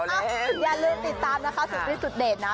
อย่าลืมติดตามสุดฤทธิ์สุดเดทนะ